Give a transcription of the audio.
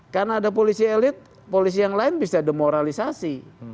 karena ada polisi elit polisi yang lain bisa demoralisasi